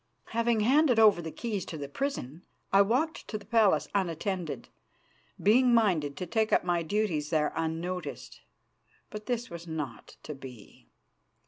Having handed over the keys of the prison, I walked to the palace unattended, being minded to take up my duties there unnoticed. But this was not to be.